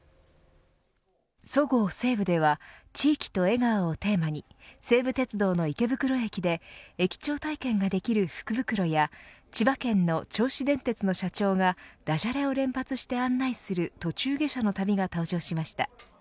そごう・西武では地域と笑顔をテーマに西武鉄道の池袋駅で駅長体験ができる福袋や千葉県の銚子電鉄の社長が駄じゃれを連発して案内する途中下車の旅が登場しました。